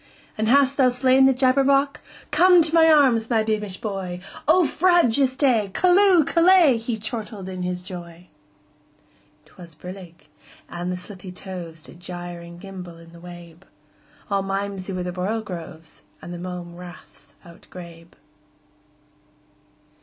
"And hast thou slain the Jabberwock? Come to my arms, my beamish boy!O frabjous day! Callooh! Callay!"He chortled in his joy.'T was brillig, and the slithy tovesDid gyre and gimble in the wabe; All mimsy were the borogoves, And the mome raths outgrabe.